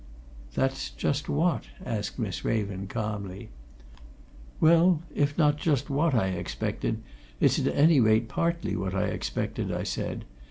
"That's just what?" asked Miss Raven calmly. "Well, if not just what I expected, it's at any rate partly what I expected," I said.